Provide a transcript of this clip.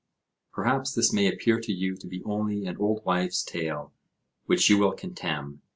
Perhaps this may appear to you to be only an old wife's tale, which you will contemn.